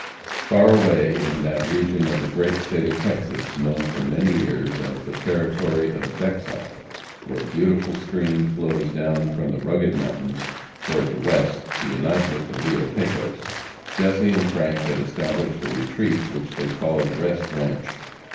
Far away, in that region of the great state of Texas known for many years as the Territory of Bexar, where a beautiful stream flows down from the rugged mountains toward the west, to unite with the Rio Pecos, Jesse and Frank had established a retreat which they called Rest Ranche.